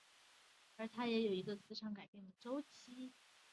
而它也有一个磁场改变的周期。